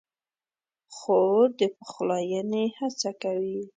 خور د پخلاینې هڅه کوي.